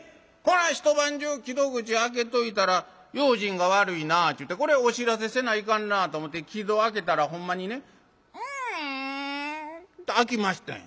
一晩中木戸口開けといたら用心が悪いなぁちゅうてこれお知らせせないかんなぁと思て木戸開けたらほんまにねキィって開きましたんや。